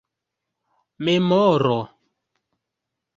memoro